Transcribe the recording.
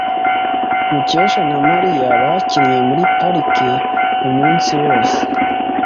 Mukesha na Mariya bakinnye muri parike umunsi wose.